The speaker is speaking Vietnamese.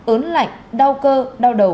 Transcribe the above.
ớn lạnh đau cơ đau đầu